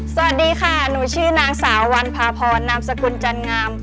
สวัสดีค่ะหนูชื่อนางสาววันพาพรนามสกุลจันงาม